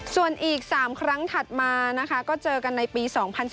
ส่วนอีก๓ครั้งถัดมานะคะก็เจอกันในปี๒๐๑๙